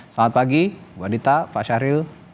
selamat pagi bu adita pak syahril